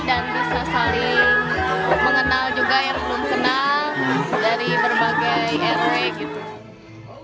dan bisa saling mengenal juga yang belum kenal dari berbagai era gitu